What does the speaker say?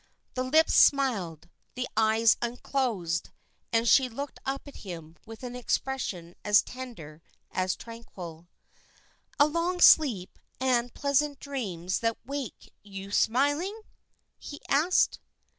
The lips smiled, the eyes unclosed, and she looked up at him, with an expression as tender as tranquil. "A long sleep and pleasant dreams that wake you smiling?" he asked.